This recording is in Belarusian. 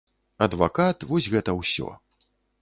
Адвакат, вось гэта ўсё.